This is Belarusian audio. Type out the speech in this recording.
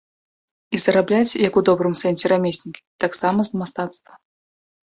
І зарабляць, як у добрым сэнсе рамеснікі, таксама з мастацтва.